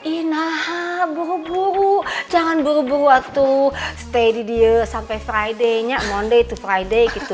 ih nah buru buru jangan buru buru waktu stay di dia sampe friday nya monday to friday gitu